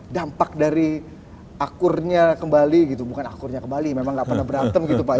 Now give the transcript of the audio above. dampak dari akurnya kembali gitu bukan akurnya kembali memang nggak pernah berantem gitu pak